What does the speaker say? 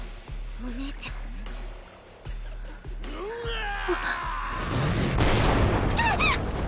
お姉ちゃんうらあ！